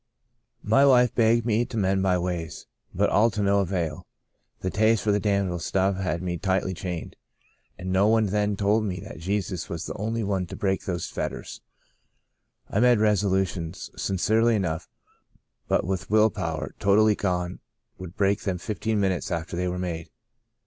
My wife begged me to mend my ways, but all to no avail. The taste for the damnable stuff had me tightly chained, and no one then told me that Jesus was the only one to break those fetters. I made resolutions, sincerely enough, but with will power totally gone would break them fifteen minutes after they were made.